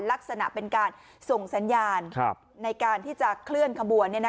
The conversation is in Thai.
ลักษณะเป็นการส่งสัญญาณในการที่จะเคลื่อนขบวน